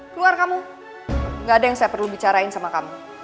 keluar kamu gak ada yang saya perlu bicarain sama kamu